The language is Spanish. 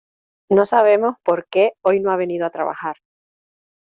No sabemos por qué hoy no ha venido a trabajar.